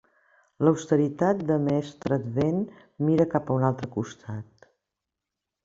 L'austeritat de mestre Advent mira cap a un altre costat.